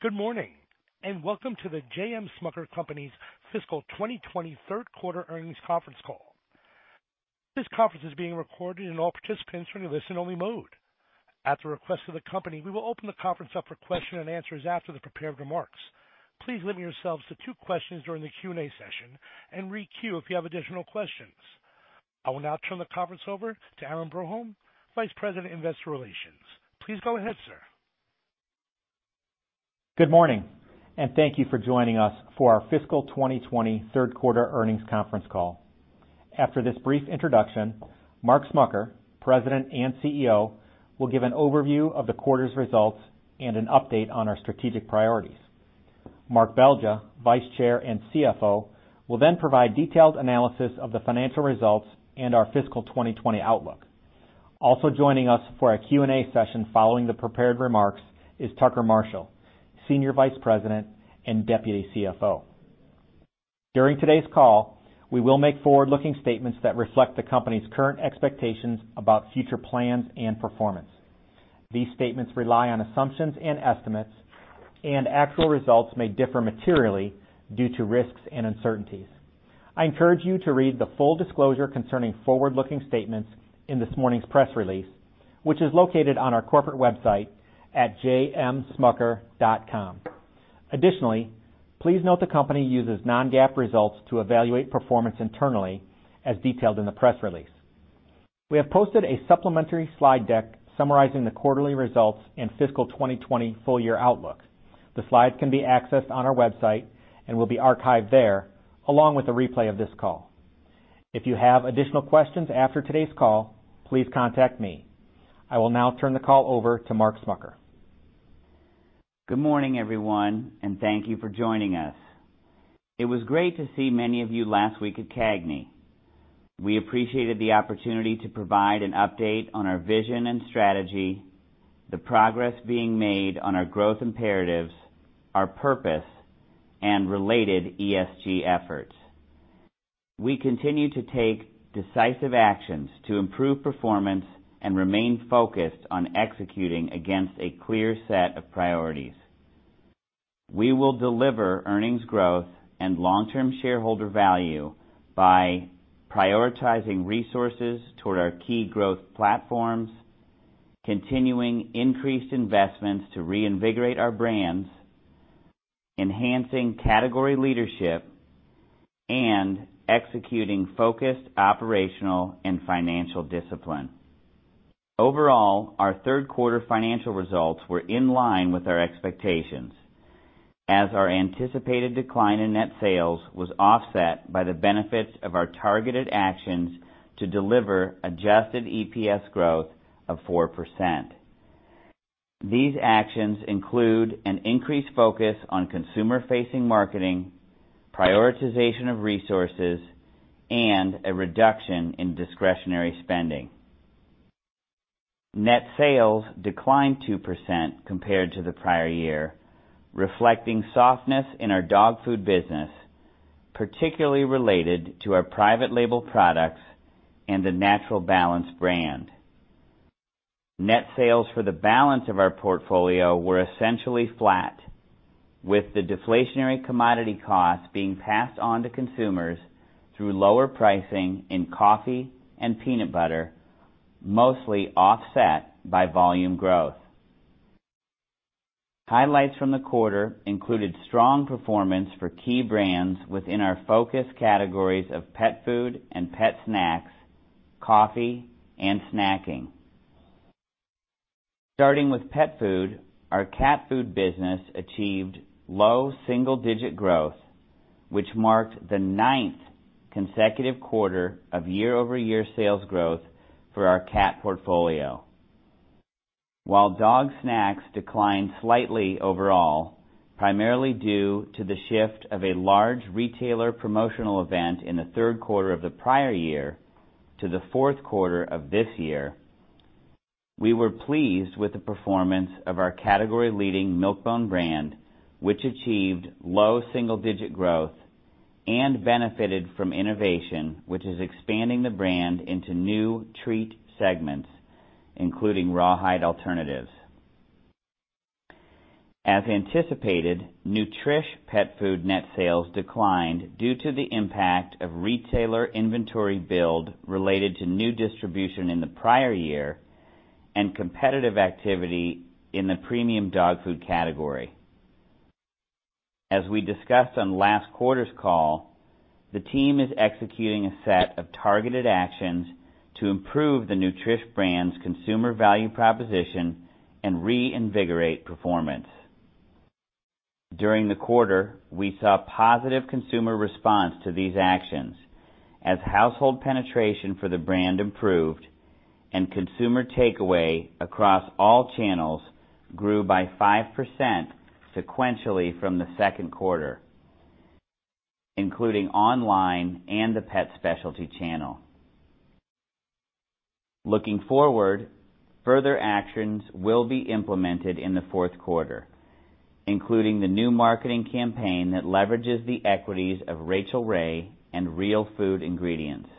Good morning and welcome to The J. M. Smucker Company's Fiscal 2020 Third Quarter Earnings Conference Call. This conference is being recorded and all participants are in a listen-only mode. At the request of the company, we will open the conference up for questions and answers after the prepared remarks. Please limit yourselves to two questions during the Q&A session and re-queue if you have additional questions. I will now turn the conference over to Aaron Broholm, Vice President, Investor Relations. Please go ahead, sir. Good morning and thank you for joining us for our fiscal 2020 third quarter earnings conference call. After this brief introduction, Mark Smucker, President and CEO, will give an overview of the quarter's results and an update on our strategic priorities. Mark Belgya, Vice Chair and CFO, will then provide detailed analysis of the financial results and our fiscal 2020 outlook. Also joining us for a Q&A session following the prepared remarks is Tucker Marshall, Senior Vice President and Deputy CFO. During today's call, we will make forward-looking statements that reflect the company's current expectations about future plans and performance. These statements rely on assumptions and estimates, and actual results may differ materially due to risks and uncertainties. I encourage you to read the full disclosure concerning forward-looking statements in this morning's press release, which is located on our corporate website at jmsmucker.com. Additionally, please note the company uses Non-GAAP results to evaluate performance internally, as detailed in the press release. We have posted a supplementary slide deck summarizing the quarterly results and fiscal 2020 full year outlook. The slides can be accessed on our website and will be archived there, along with a replay of this call. If you have additional questions after today's call, please contact me. I will now turn the call over to Mark Smucker. Good morning, everyone, and thank you for joining us. It was great to see many of you last week at CAGNY. We appreciated the opportunity to provide an update on our vision and strategy, the progress being made on our growth imperatives, our purpose, and related ESG efforts. We continue to take decisive actions to improve performance and remain focused on executing against a clear set of priorities. We will deliver earnings growth and long-term shareholder value by prioritizing resources toward our key growth platforms, continuing increased investments to reinvigorate our brands, enhancing category leadership, and executing focused operational and financial discipline. Overall, our third quarter financial results were in line with our expectations, as our anticipated decline in net sales was offset by the benefits of our targeted actions to deliver adjusted EPS growth of 4%. These actions include an increased focus on consumer-facing marketing, prioritization of resources, and a reduction in discretionary spending. Net sales declined 2% compared to the prior year, reflecting softness in our dog food business, particularly related to our private label products and the Natural Balance brand. Net sales for the balance of our portfolio were essentially flat, with the deflationary commodity costs being passed on to consumers through lower pricing in coffee and peanut butter, mostly offset by volume growth. Highlights from the quarter included strong performance for key brands within our focus categories of pet food and pet snacks, coffee, and snacking. Starting with pet food, our cat food business achieved low single-digit growth, which marked the ninth consecutive quarter of year-over-year sales growth for our cat portfolio. While dog snacks declined slightly overall, primarily due to the shift of a large retailer promotional event in the third quarter of the prior year to the fourth quarter of this year, we were pleased with the performance of our category-leading Milk-Bone brand, which achieved low-single-digit growth and benefited from innovation, which is expanding the brand into new treat segments, including rawhide alternatives. As anticipated, Nutrish pet food net sales declined due to the impact of retailer inventory build related to new distribution in the prior year and competitive activity in the premium dog food category. As we discussed on last quarter's call, the team is executing a set of targeted actions to improve the Nutrish brand's consumer value proposition and reinvigorate performance. During the quarter, we saw positive consumer response to these actions as household penetration for the brand improved and consumer takeaway across all channels grew by 5% sequentially from the second quarter, including online and the pet specialty channel. Looking forward, further actions will be implemented in the fourth quarter, including the new marketing campaign that leverages the equities of Rachael Ray and Real Food Ingredients.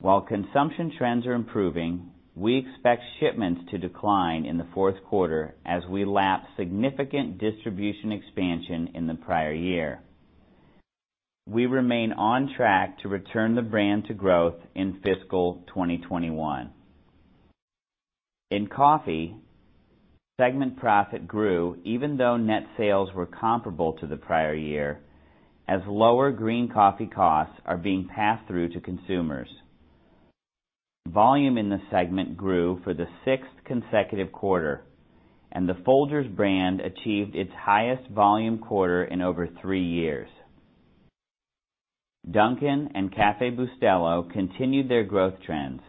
While consumption trends are improving, we expect shipments to decline in the fourth quarter as we lapse significant distribution expansion in the prior year. We remain on track to return the brand to growth in fiscal 2021. In coffee, segment profit grew even though net sales were comparable to the prior year as lower green coffee costs are being passed through to consumers. Volume in the segment grew for the sixth consecutive quarter, and the Folgers brand achieved its highest volume quarter in over three years. Dunkin' and Café Bustelo continued their growth trends,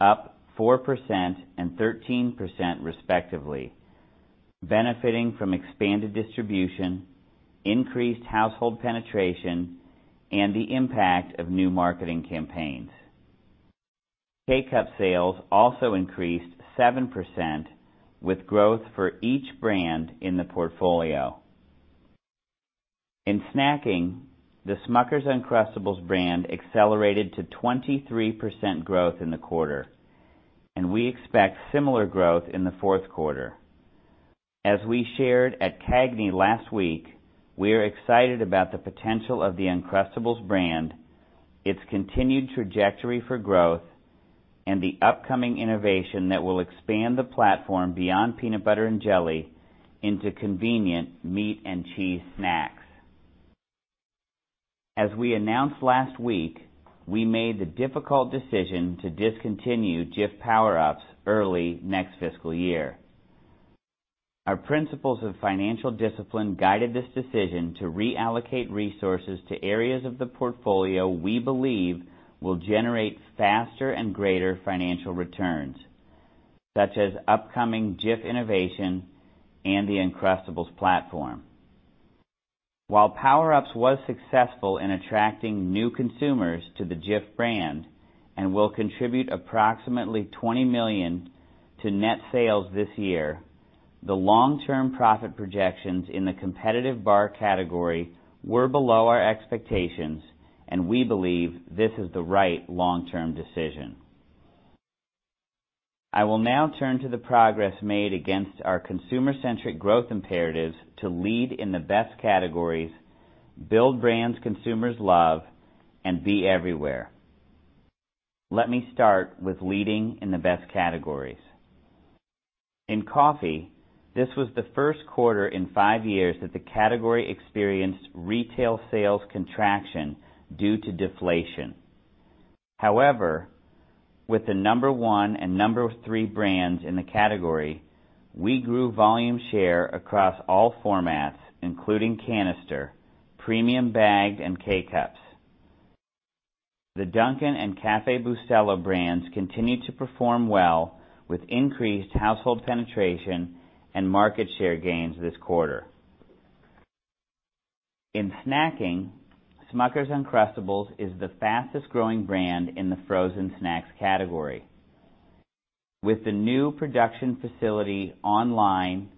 up 4% and 13% respectively, benefiting from expanded distribution, increased household penetration, and the impact of new marketing campaigns. K-Cup sales also increased 7% with growth for each brand in the portfolio. In snacking, the Smucker's Uncrustables brand accelerated to 23% growth in the quarter, and we expect similar growth in the fourth quarter. As we shared at CAGNY last week, we are excited about the potential of the Uncrustables brand, its continued trajectory for growth, and the upcoming innovation that will expand the platform beyond peanut butter and jelly into convenient meat and cheese snacks. As we announced last week, we made the difficult decision to discontinue Jif Power Ups early next fiscal year. Our principles of financial discipline guided this decision to reallocate resources to areas of the portfolio we believe will generate faster and greater financial returns, such as upcoming Jif innovation and the Uncrustables platform. While Power Ups was successful in attracting new consumers to the Jif brand and will contribute approximately $20 million to net sales this year, the long-term profit projections in the competitive bar category were below our expectations, and we believe this is the right long-term decision. I will now turn to the progress made against our consumer-centric growth imperatives to lead in the best categories, build brands consumers love, and be everywhere. Let me start with leading in the best categories. In coffee, this was the first quarter in five years that the category experienced retail sales contraction due to deflation. However, with the number one and number three brands in the category, we grew volume share across all formats, including canister, premium bagged, and K-Cups. The Dunkin' and Café Bustelo brands continued to perform well with increased household penetration and market share gains this quarter. In snacking, Smucker's Uncrustables is the fastest-growing brand in the frozen snacks category. With the new production facility online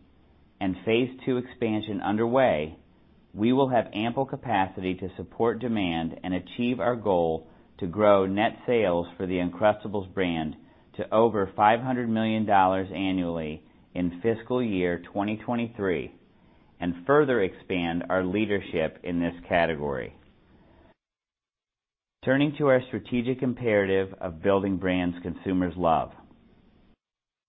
and phase two expansion underway, we will have ample capacity to support demand and achieve our goal to grow net sales for the Uncrustables brand to over $500 million annually in fiscal year 2023 and further expand our leadership in this category. Turning to our strategic imperative of building brands consumers love,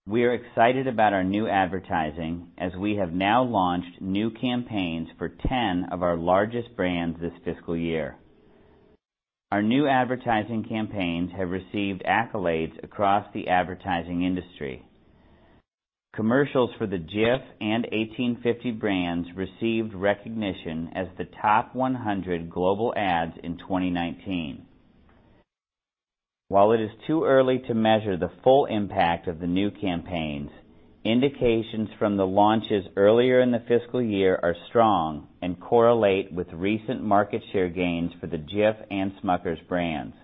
we are excited about our new advertising as we have now launched new campaigns for 10 of our largest brands this fiscal year. Our new advertising campaigns have received accolades across the advertising industry. Commercials for the Jif and 1850 brands received recognition as the top 100 global ads in 2019. While it is too early to measure the full impact of the new campaigns, indications from the launches earlier in the fiscal year are strong and correlate with recent market share gains for the Jif and Smucker's brands.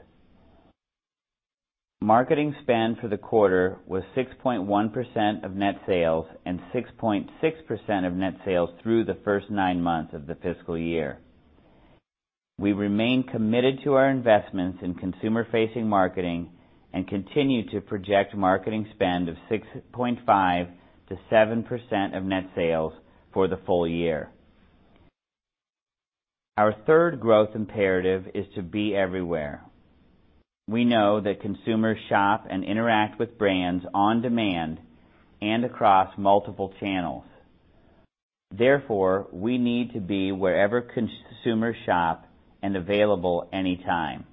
Marketing spend for the quarter was 6.1% of net sales and 6.6% of net sales through the first nine months of the fiscal year. We remain committed to our investments in consumer-facing marketing and continue to project marketing spend of 6.5%-7% of net sales for the full year. Our third growth imperative is to be everywhere. We know that consumers shop and interact with brands on demand and across multiple channels. Therefore, we need to be wherever consumers shop and available anytime.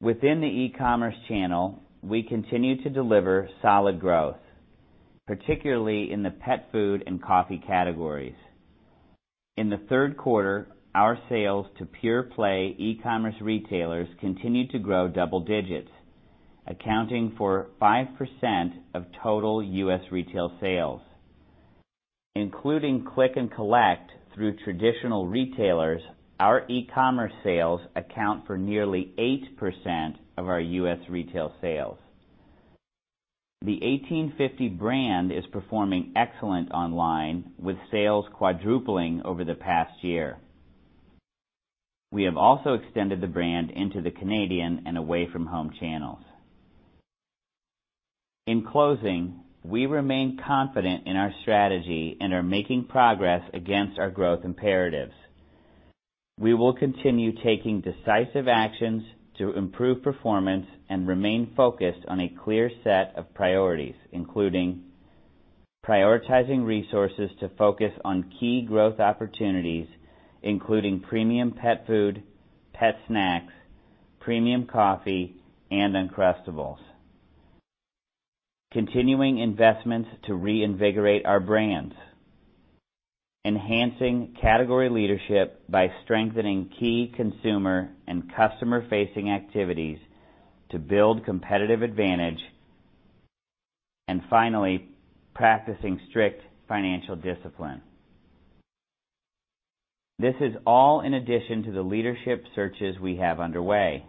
Within the e-commerce channel, we continue to deliver solid growth, particularly in the pet food and coffee categories. In the third quarter, our sales to pure-play e-commerce retailers continued to grow double digits, accounting for 5% of total U.S. retail sales. Including Click and Collect through traditional retailers, our e-commerce sales account for nearly 8% of our U.S. retail sales. The 1850 brand is performing excellent online, with sales quadrupling over the past year. We have also extended the brand into the Canadian and away-from-home channels. In closing, we remain confident in our strategy and are making progress against our growth imperatives. We will continue taking decisive actions to improve performance and remain focused on a clear set of priorities, including prioritizing resources to focus on key growth opportunities, including premium pet food, pet snacks, premium coffee, and Uncrustables. Continuing investments to reinvigorate our brands, enhancing category leadership by strengthening key consumer and customer-facing activities to build competitive advantage, and finally, practicing strict financial discipline. This is all in addition to the leadership searches we have underway.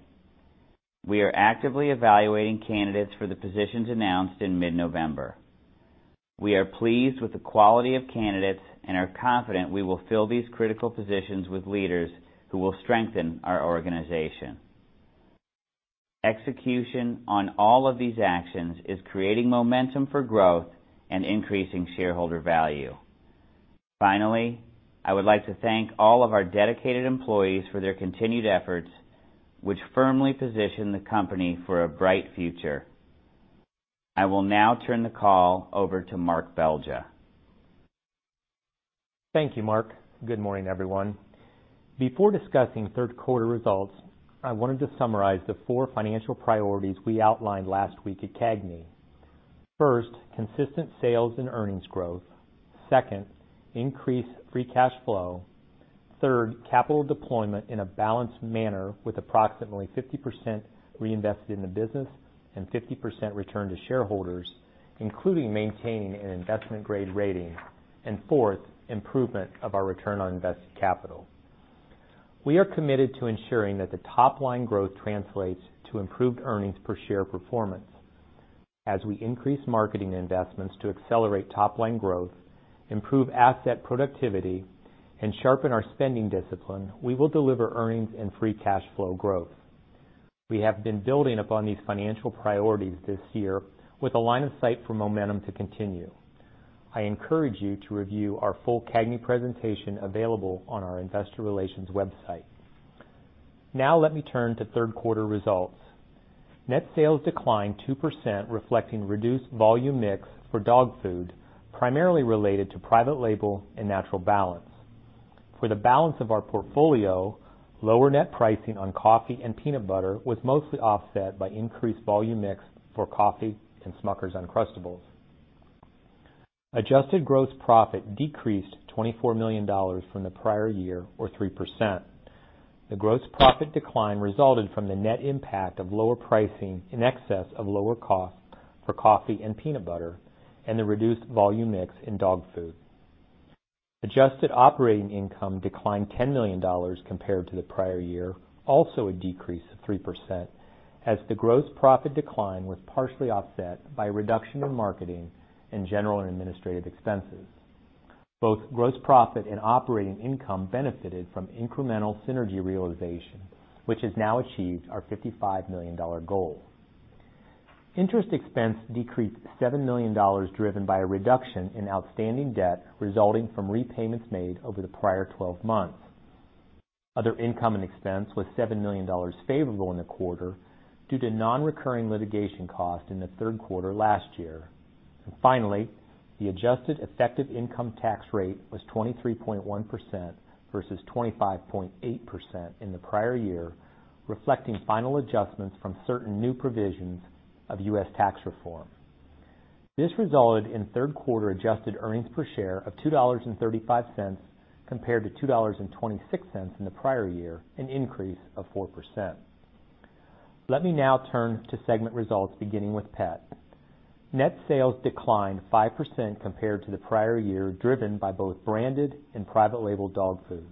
We are actively evaluating candidates for the positions announced in mid-November. We are pleased with the quality of candidates and are confident we will fill these critical positions with leaders who will strengthen our organization. Execution on all of these actions is creating momentum for growth and increasing shareholder value. Finally, I would like to thank all of our dedicated employees for their continued efforts, which firmly position the company for a bright future. I will now turn the call over to Mark Belgya. Thank you, Mark. Good morning, everyone. Before discussing third quarter results, I wanted to summarize the four financial priorities we outlined last week at CAGNY. First, consistent sales and earnings growth. Second, increased free cash flow. Third, capital deployment in a balanced manner with approximately 50% reinvested in the business and 50% returned to shareholders, including maintaining an investment-grade rating. And fourth, improvement of our return on invested capital. We are committed to ensuring that the top-line growth translates to improved earnings per share performance. As we increase marketing investments to accelerate top-line growth, improve asset productivity, and sharpen our spending discipline, we will deliver earnings and free cash flow growth. We have been building upon these financial priorities this year with a line of sight for momentum to continue. I encourage you to review our full CAGNY presentation available on our Investor Relations website. Now, let me turn to third quarter results. Net sales declined 2%, reflecting reduced volume mix for dog food, primarily related to private label and Natural Balance. For the balance of our portfolio, lower net pricing on coffee and peanut butter was mostly offset by increased volume mix for coffee and Smucker's Uncrustables. Adjusted gross profit decreased $24 million from the prior year, or 3%. The gross profit decline resulted from the net impact of lower pricing in excess of lower costs for coffee and peanut butter and the reduced volume mix in dog food. Adjusted operating income declined $10 million compared to the prior year, also a decrease of 3%, as the gross profit decline was partially offset by a reduction in marketing and general and administrative expenses. Both gross profit and operating income benefited from incremental synergy realization, which has now achieved our $55 million goal. Interest expense decreased $7 million driven by a reduction in outstanding debt resulting from repayments made over the prior 12 months. Other income and expense was $7 million favorable in the quarter due to non-recurring litigation costs in the third quarter last year, and finally, the adjusted effective income tax rate was 23.1% versus 25.8% in the prior year, reflecting final adjustments from certain new provisions of U.S. tax reform. This resulted in third quarter adjusted earnings per share of $2.35 compared to $2.26 in the prior year, an increase of 4%. Let me now turn to segment results, beginning with pet. Net sales declined 5% compared to the prior year, driven by both branded and private label dog food.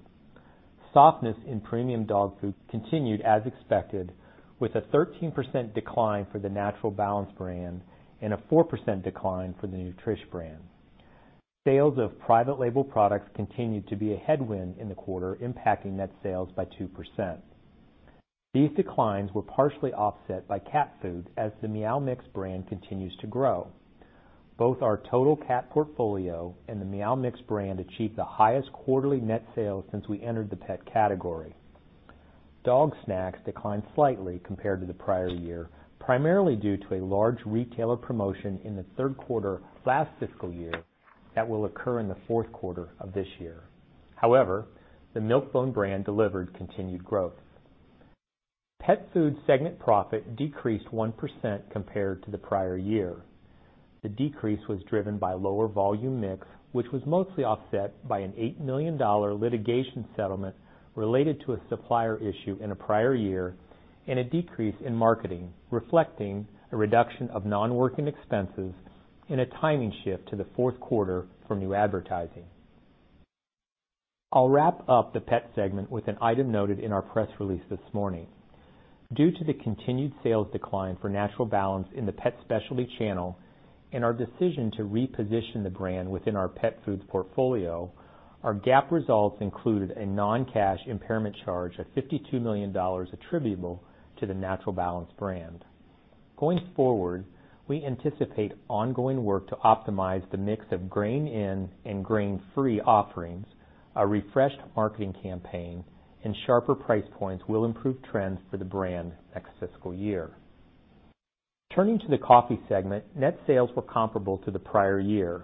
Softness in premium dog food continued as expected, with a 13% decline for the Natural Balance brand and a 4% decline for the Nutrish brand. Sales of private label products continued to be a headwind in the quarter, impacting net sales by 2%. These declines were partially offset by cat food as the Meow Mix brand continues to grow. Both our total cat portfolio and the Meow Mix brand achieved the highest quarterly net sales since we entered the pet category. Dog snacks declined slightly compared to the prior year, primarily due to a large retailer promotion in the third quarter last fiscal year that will occur in the fourth quarter of this year. However, the Milk-Bone brand delivered continued growth. Pet food segment profit decreased 1% compared to the prior year. The decrease was driven by lower volume mix, which was mostly offset by an $8 million litigation settlement related to a supplier issue in a prior year and a decrease in marketing, reflecting a reduction of non-working expenses and a timing shift to the fourth quarter for new advertising. I'll wrap up the pet segment with an item noted in our press release this morning. Due to the continued sales decline for Natural Balance in the pet specialty channel and our decision to reposition the brand within our pet food portfolio, our GAAP results included a non-cash impairment charge of $52 million attributable to the Natural Balance brand. Going forward, we anticipate ongoing work to optimize the mix of grain-in and grain-free offerings. A refreshed marketing campaign and sharper price points will improve trends for the brand next fiscal year. Turning to the coffee segment, net sales were comparable to the prior year.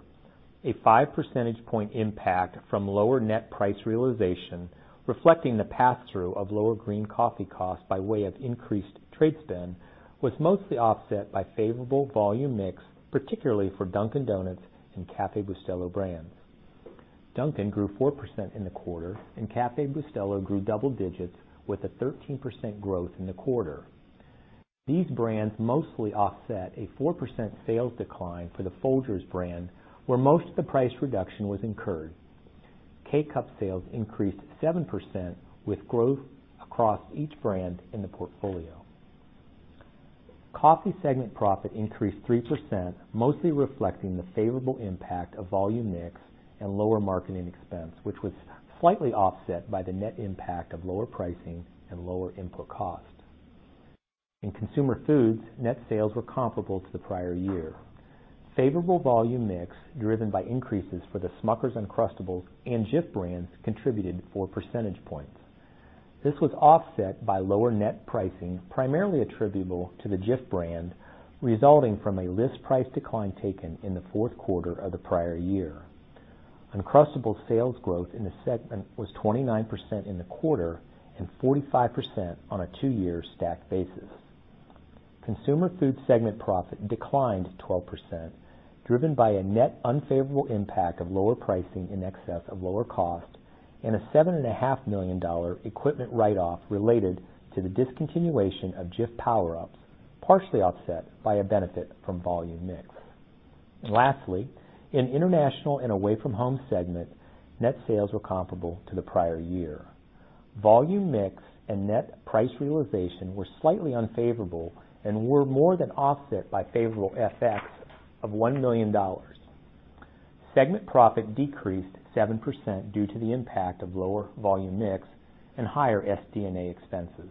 A 5 percentage point impact from lower net price realization, reflecting the pass-through of lower green coffee costs by way of increased trade spend, was mostly offset by favorable volume mix, particularly for Dunkin' Donuts and Café Bustelo brands. Dunkin' grew 4% in the quarter, and Café Bustelo grew double digits with a 13% growth in the quarter. These brands mostly offset a 4% sales decline for the Folgers brand, where most of the price reduction was incurred. K-Cup sales increased 7% with growth across each brand in the portfolio. Coffee segment profit increased 3%, mostly reflecting the favorable impact of volume mix and lower marketing expense, which was slightly offset by the net impact of lower pricing and lower input cost. In consumer foods, net sales were comparable to the prior year. Favorable volume mix, driven by increases for the Smucker's Uncrustables and Jif brands, contributed 4 percentage points. This was offset by lower net pricing, primarily attributable to the Jif brand, resulting from a list price decline taken in the fourth quarter of the prior year. Uncrustables sales growth in the segment was 29% in the quarter and 45% on a two-year stacked basis. Consumer food segment profit declined 12%, driven by a net unfavorable impact of lower pricing in excess of lower cost and a $7.5 million equipment write-off related to the discontinuation of Jif Power Ups, partially offset by a benefit from volume mix. Lastly, in international and away-from-home segment, net sales were comparable to the prior year. Volume mix and net price realization were slightly unfavorable and were more than offset by favorable FX of $1 million. Segment profit decreased 7% due to the impact of lower volume mix and higher SD&A expenses.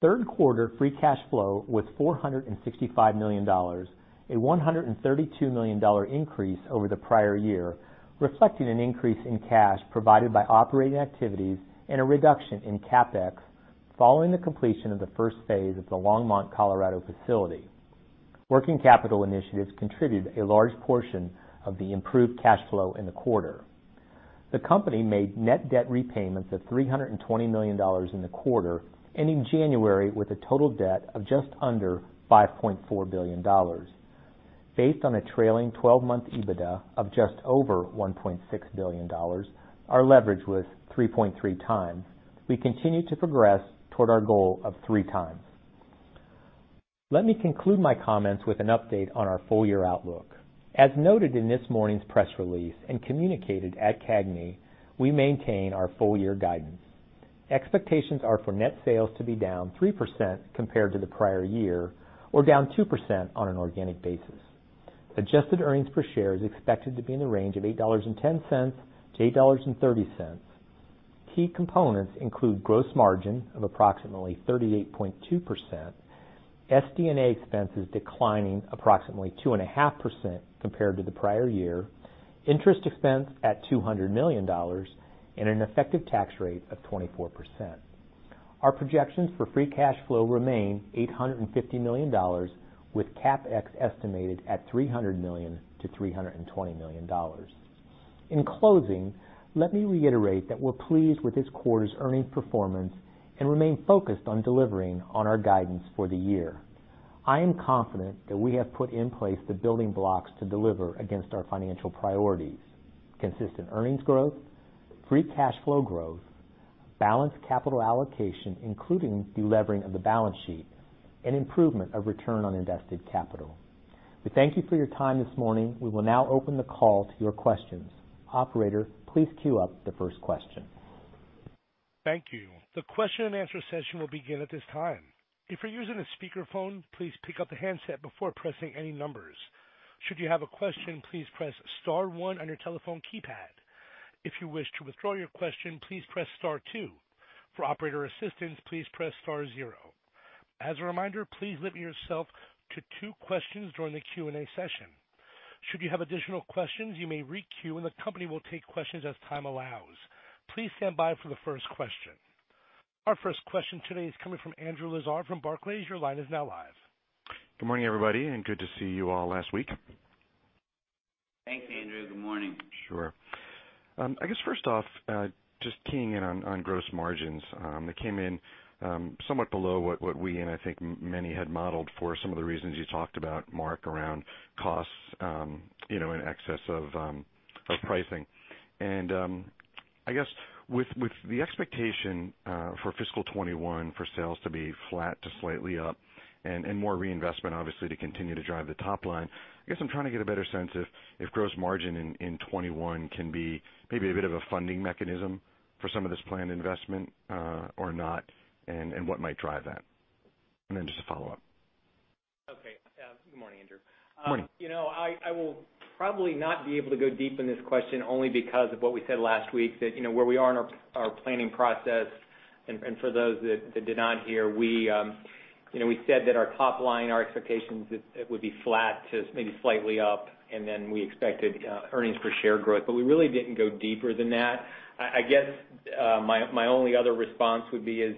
Third quarter free cash flow was $465 million, a $132 million increase over the prior year, reflecting an increase in cash provided by operating activities and a reduction in CapEx following the completion of the first phase of the Longmont, Colorado facility. Working capital initiatives contributed a large portion of the improved cash flow in the quarter. The company made net debt repayments of $320 million in the quarter, ending January with a total debt of just under $5.4 billion. Based on a trailing 12-month EBITDA of just over $1.6 billion, our leverage was 3.3 times. We continue to progress toward our goal of 3 times. Let me conclude my comments with an update on our full-year outlook. As noted in this morning's press release and communicated at CAGNY, we maintain our full-year guidance. Expectations are for net sales to be down 3% compared to the prior year or down 2% on an organic basis. Adjusted earnings per share is expected to be in the range of $8.10-$8.30. Key components include gross margin of approximately 38.2%, SD&A expenses declining approximately 2.5% compared to the prior year, interest expense at $200 million, and an effective tax rate of 24%. Our projections for free cash flow remain $850 million, with CapEx estimated at $300-$320 million. In closing, let me reiterate that we're pleased with this quarter's earnings performance and remain focused on delivering on our guidance for the year. I am confident that we have put in place the building blocks to deliver against our financial priorities: consistent earnings growth, free cash flow growth, balanced capital allocation, including deleveraging of the balance sheet, and improvement of return on invested capital. We thank you for your time this morning. We will now open the call to your questions. Operator, please queue up the first question. Thank you. The question and answer session will begin at this time. If you're using a speakerphone, please pick up the handset before pressing any numbers. Should you have a question, please press star one on your telephone keypad. If you wish to withdraw your question, please press star two. For operator assistance, please press star zero. As a reminder, please limit yourself to two questions during the Q&A session. Should you have additional questions, you may re-queue and the company will take questions as time allows. Please stand by for the first question. Our first question today is coming from Andrew Lazar from Barclays. Your line is now live. Good morning, everybody, and good to see you all last week. Thanks, Andrew. Good morning. Sure. I guess first off, just keying in on gross margins, it came in somewhat below what we and I think many had modeled for some of the reasons you talked about, Mark, around costs in excess of pricing. And I guess with the expectation for Fiscal 2021 for sales to be flat to slightly up and more reinvestment, obviously, to continue to drive the top line, I guess I'm trying to get a better sense if gross margin in 2021 can be maybe a bit of a funding mechanism for some of this planned investment or not, and what might drive that. And then just a follow-up. Okay. Good morning, Andrew. Good morning. I will probably not be able to go deep in this question only because of what we said last week, where we are in our planning process. And for those that did not hear, we said that our top line, our expectations would be flat to maybe slightly up, and then we expected earnings per share growth, but we really didn't go deeper than that. I guess my only other response would be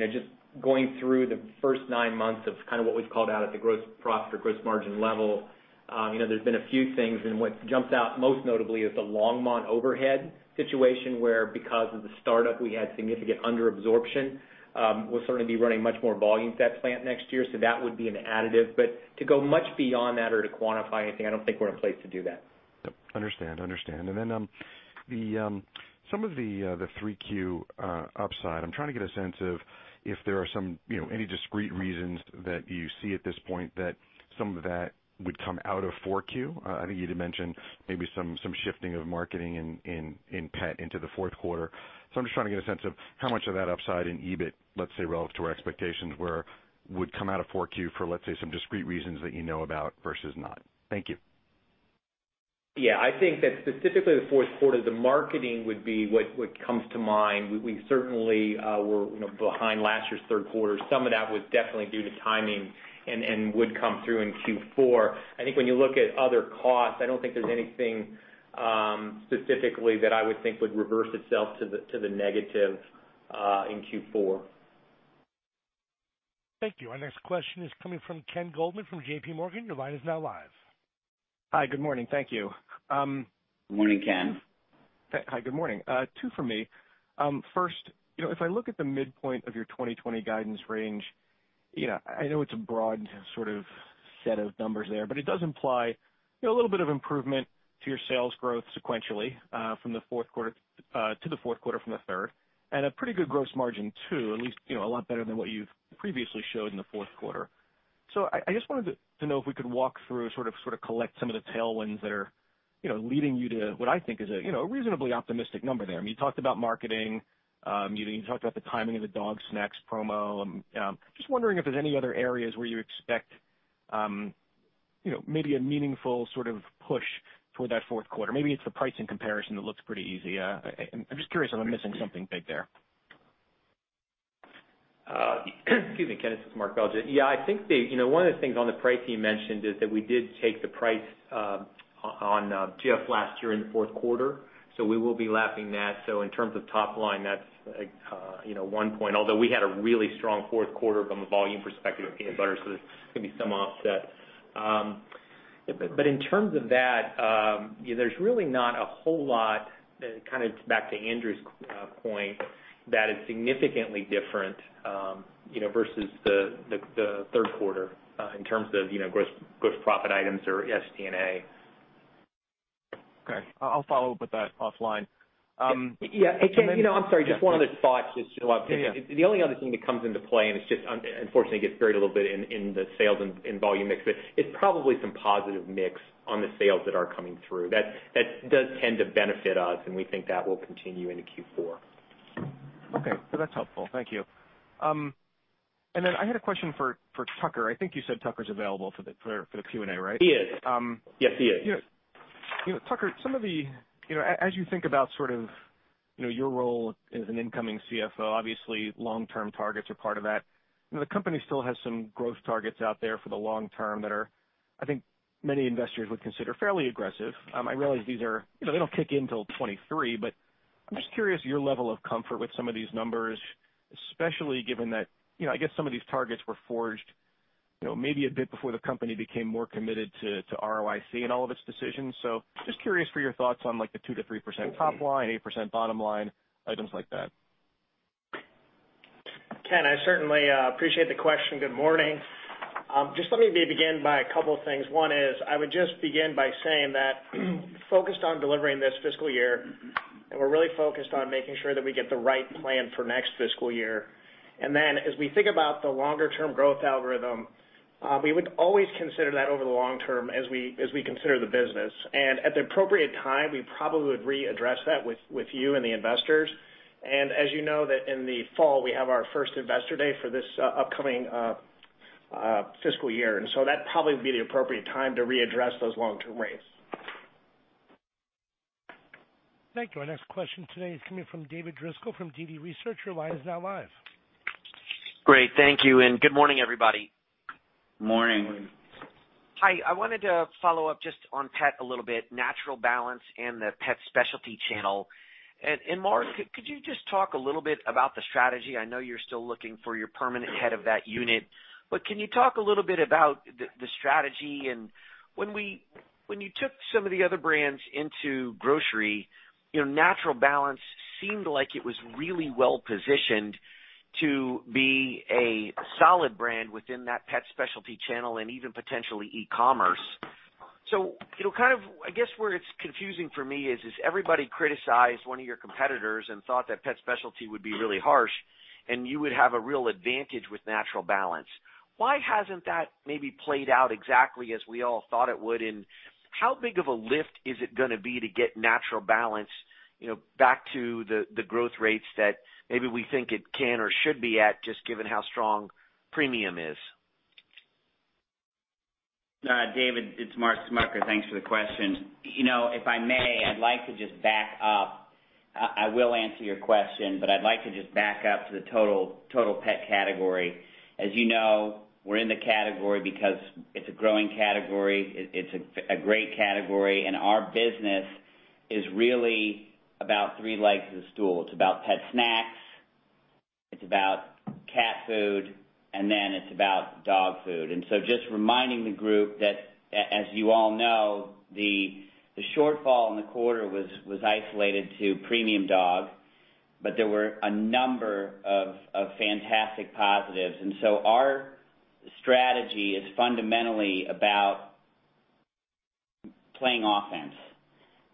just going through the first nine months of kind of what we've called out at the gross profit or gross margin level. There's been a few things. And what jumps out most notably is the Longmont overhead situation where, because of the startup, we had significant underabsorption. We'll certainly be running much more volume to that plant next year, so that would be an additive. But to go much beyond that or to quantify anything, I don't think we're in a place to do that. Understand. Understand. And then some of the 3Q upside, I'm trying to get a sense of if there are any discrete reasons that you see at this point that some of that would come out of 4Q. I think you did mention maybe some shifting of marketing in pet into the fourth quarter. So I'm just trying to get a sense of how much of that upside in EBIT, let's say, relative to our expectations would come out of 4Q for, let's say, some discrete reasons that you know about versus not. Thank you. Yeah. I think that specifically the fourth quarter, the marketing would be what comes to mind. We certainly were behind last year's third quarter. Some of that was definitely due to timing and would come through in Q4. I think when you look at other costs, I don't think there's anything specifically that I would think would reverse itself to the negative in Q4. Thank you. Our next question is coming from Ken Goldman from J.P. Morgan. Your line is now live. Hi. Good morning. Thank you. Good morning, Ken. Hi. Good morning. Two for me. First, if I look at the midpoint of your 2020 guidance range, I know it's a broad sort of set of numbers there, but it does imply a little bit of improvement to your sales growth sequentially from the fourth quarter to the fourth quarter from the third, and a pretty good gross margin too, at least a lot better than what you've previously showed in the fourth quarter. So I just wanted to know if we could walk through, sort of collect some of the tailwinds that are leading you to what I think is a reasonably optimistic number there. You talked about marketing. You talked about the timing of the dog snacks promo. I'm just wondering if there's any other areas where you expect maybe a meaningful sort of push for that fourth quarter. Maybe it's the pricing comparison that looks pretty easy. I'm just curious if I'm missing something big there. Excuse me, Kenneth. This is Mark Belgya. Yeah. I think one of the things on the pricing you mentioned is that we did take the price on Jif last year in the fourth quarter, so we will be lapping that. So in terms of top line, that's one point, although we had a really strong fourth quarter from a volume perspective of peanut butter, so there's going to be some offset. But in terms of that, there's really not a whole lot, kind of back to Andrew's point, that is significantly different versus the third quarter in terms of gross profit items or SD&A. Okay. I'll follow up with that offline. Yeah. And I'm sorry. Just one other thought just to wrap up. The only other thing that comes into play, and it's just, unfortunately, gets buried a little bit in the sales and volume mix, but it's probably some positive mix on the sales that are coming through. That does tend to benefit us, and we think that will continue into Q4. Okay. So that's helpful. Thank you. And then I had a question for Tucker. I think you said Tucker's available for the Q&A, right? He is. Yes, he is. Tucker, as you think about sort of your role as an incoming CFO, obviously, long-term targets are part of that. The company still has some growth targets out there for the long term that are, I think, many investors would consider fairly aggressive. I realize these are. They don't kick in till 2023, but I'm just curious your level of comfort with some of these numbers, especially given that I guess some of these targets were forged maybe a bit before the company became more committed to ROIC and all of its decisions. So just curious for your thoughts on the 2%-3% top line, 8% bottom line, items like that. Ken, I certainly appreciate the question. Good morning. Just let me begin by a couple of things. One is, I would just begin by saying that focused on delivering this fiscal year, and we're really focused on making sure that we get the right plan for next fiscal year. And then as we think about the longer-term growth algorithm, we would always consider that over the long term as we consider the business. And at the appropriate time, we probably would readdress that with you and the investors. And as you know, in the fall, we have our first investor day for this upcoming fiscal year. And so that probably would be the appropriate time to readdress those long-term rates. Thank you. Our next question today is coming from David Driscoll from DD Research. Your line is now live. Great. Thank you. And good morning, everybody. Morning. Hi. I wanted to follow up just on pet a little bit, Natural Balance and the pet specialty channel. And Mark, could you just talk a little bit about the strategy? I know you're still looking for your permanent head of that unit, but can you talk a little bit about the strategy? And when you took some of the other brands into grocery, Natural Balance seemed like it was really well-positioned to be a solid brand within that pet specialty channel and even potentially e-commerce. So kind of, I guess, where it's confusing for me is everybody criticized one of your competitors and thought that pet specialty would be really harsh and you would have a real advantage with Natural Balance. Why hasn't that maybe played out exactly as we all thought it would? And how big of a lift is it going to be to get Natural Balance back to the growth rates that maybe we think it can or should be at, just given how strong premium is? David, it's Mark Smucker. Thanks for the question. If I may, I'd like to just back up. I will answer your question, but I'd like to just back up to the total pet category. As you know, we're in the category because it's a growing category. It's a great category. And our business is really about three legs of the stool. It's about pet snacks. It's about cat food, and then it's about dog food. And so just reminding the group that, as you all know, the shortfall in the quarter was isolated to premium dog, but there were a number of fantastic positives. And so our strategy is fundamentally about playing offense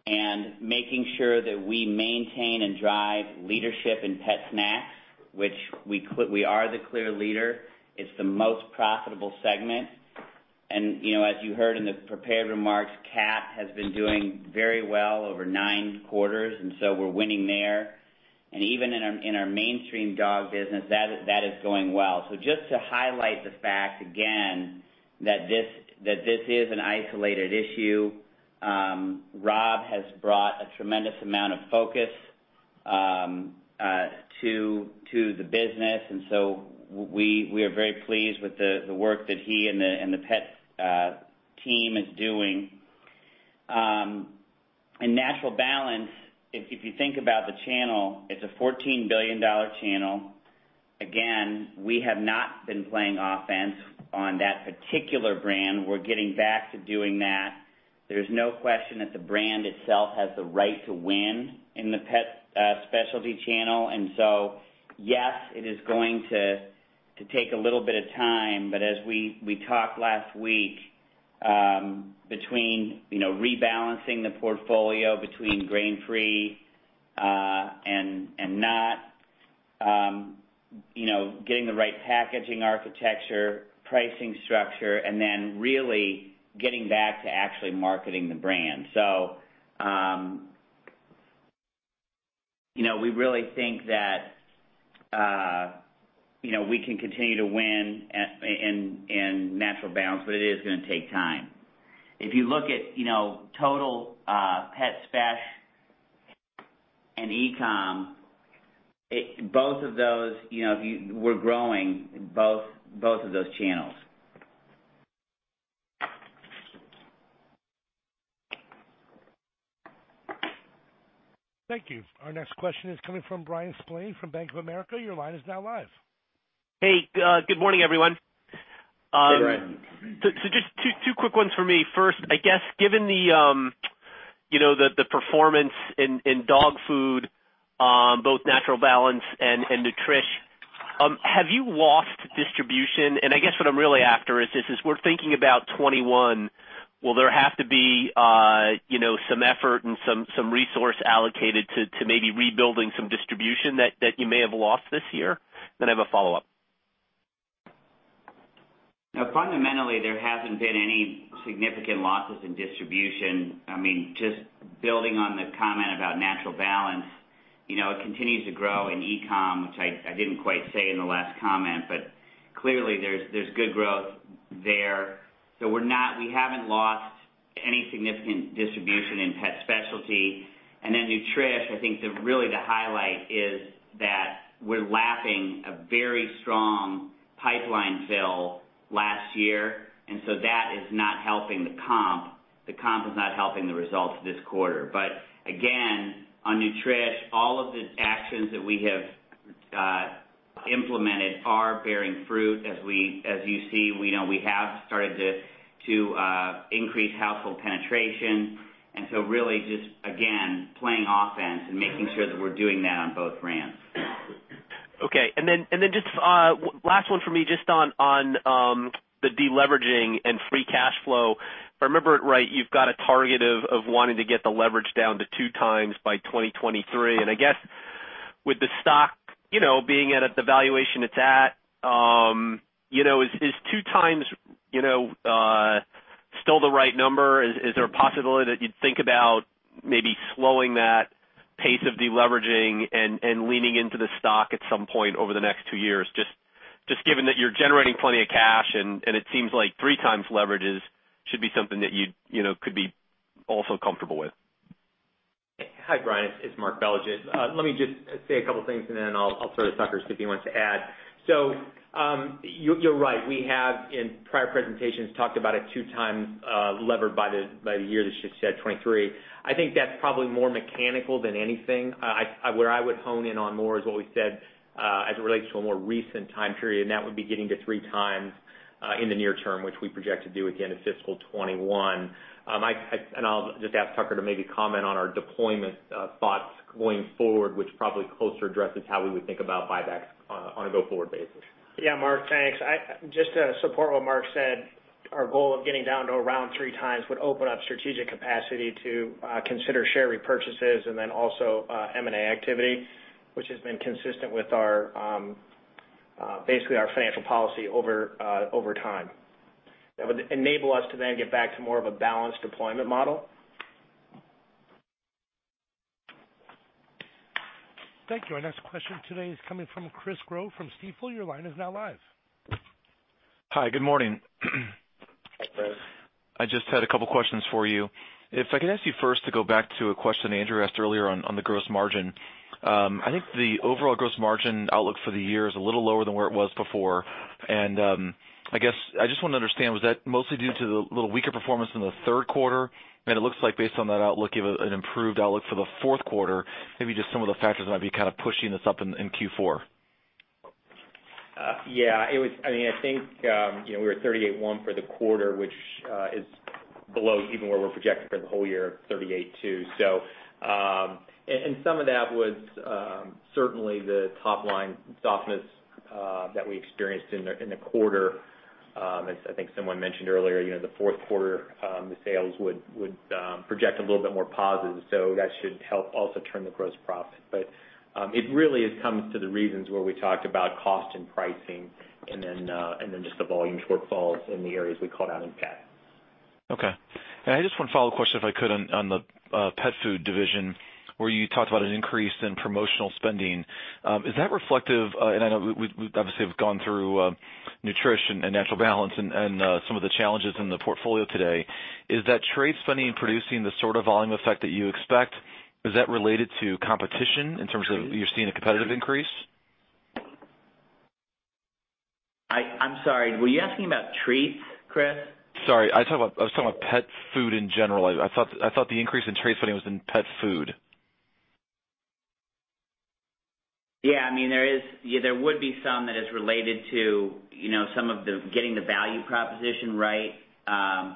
and making sure that we maintain and drive leadership in pet snacks, which we are the clear leader. It's the most profitable segment. And as you heard in the prepared remarks, cat has been doing very well over nine quarters, and so we're winning there. And even in our mainstream dog business, that is going well. So just to highlight the fact, again, that this is an isolated issue, Rob has brought a tremendous amount of focus to the business, and so we are very pleased with the work that he and the pet team is doing. And Natural Balance, if you think about the channel, it's a $14 billion channel. Again, we have not been playing offense on that particular brand. We're getting back to doing that. There's no question that the brand itself has the right to win in the pet specialty channel, and so, yes, it is going to take a little bit of time, but as we talked last week between rebalancing the portfolio between grain-free and not, getting the right packaging architecture, pricing structure, and then really getting back to actually marketing the brand, so we really think that we can continue to win in Natural Balance, but it is going to take time. If you look at total pet specialty and e-com, both of those, we're growing both of those channels. Thank you. Our next question is coming from Bryan Spillane from Bank of America. Your line is now live. Hey. Good morning, everyone. Hey, Bryan. So just two quick ones for me. First, I guess, given the performance in dog food, both Natural Balance and Nutrish, have you lost distribution? I guess what I'm really after is we're thinking about 2021. Will there have to be some effort and some resource allocated to maybe rebuilding some distribution that you may have lost this year? Then I have a follow-up. Fundamentally, there hasn't been any significant losses in distribution. I mean, just building on the comment about Natural Balance, it continues to grow in e-com, which I didn't quite say in the last comment, but clearly, there's good growth there. So we haven't lost any significant distribution in pet specialty. And then Nutrish, I think really the highlight is that we're lapping a very strong pipeline fill last year, and so that is not helping the comp. The comp is not helping the results this quarter. But again, on Nutrish, all of the actions that we have implemented are bearing fruit. As you see, we have started to increase household penetration and so really just, again, playing offense and making sure that we're doing that on both brands. Okay, and then just last one for me, just on the deleveraging and free cash flow. If I remember it right, you've got a target of wanting to get the leverage down to two times by 2023, and I guess with the stock being at the valuation it's at, is two times still the right number? Is there a possibility that you'd think about maybe slowing that pace of deleveraging and leaning into the stock at some point over the next two years, just given that you're generating plenty of cash, and it seems like three times leverage should be something that you could be also comfortable with. Hi, Brian. It's Mark Belgya. Let me just say a couple of things, and then I'll throw to Tucker's if he wants to add. So you're right. We have, in prior presentations, talked about a two-times leverage by the year that's just said 2023. I think that's probably more mechanical than anything. Where I would hone in on more is what we said as it relates to a more recent time period, and that would be getting to three times in the near term, which we project to do at the end of fiscal 2021. And I'll just ask Tucker to maybe comment on our deployment thoughts going forward, which probably closer addresses how we would think about buybacks on a go-forward basis. Yeah, Mark, thanks. Just to support what Mark said, our goal of getting down to around three times would open up strategic capacity to consider share repurchases and then also M&A activity, which has been consistent with basically our financial policy over time. That would enable us to then get back to more of a balanced deployment model. Thank you. Our next question today is coming from Chris Growe from Stifel. Your line is now live. Hi. Good morning. Hi, Chris. I just had a couple of questions for you. If I could ask you first to go back to a question Andrew asked earlier on the gross margin. I think the overall gross margin outlook for the year is a little lower than where it was before. And I guess I just want to understand, was that mostly due to the little weaker performance in the third quarter? And it looks like, based on that outlook, you have an improved outlook for the fourth quarter. Maybe just some of the factors that might be kind of pushing this up in Q4. Yeah. I mean, I think we were 38.1% for the quarter, which is below even where we're projected for the whole year, 38.2%. And some of that was certainly the top-line softness that we experienced in the quarter. As I think someone mentioned earlier, the fourth quarter, the sales would project a little bit more positive. So that should help also turn the gross profit. But it really comes to the reasons where we talked about cost and pricing and then just the volume shortfalls in the areas we called out in pet. Okay. And I just want to follow up a question, if I could, on the pet food division, where you talked about an increase in promotional spending. Is that reflective? And I know we obviously have gone through Nutrish and Natural Balance and some of the challenges in the portfolio today. Is that trade spending producing the sort of volume effect that you expect? Is that related to competition in terms of you're seeing a competitive increase? I'm sorry. Were you asking about treats, Chris? Sorry. I was talking about pet food in general. I thought the increase in trade spending was in pet food. Yeah. I mean, there would be some that is related to some of getting the value proposition right,